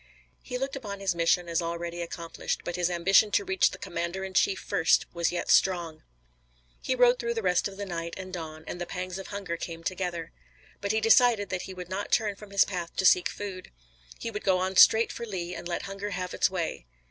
He looked upon his mission as already accomplished, but his ambition to reach the commander in chief first was yet strong. He rode throughout the rest of the night and dawn and the pangs of hunger came together. But he decided that he would not turn from his path to seek food. He would go on straight for Lee and let hunger have its way.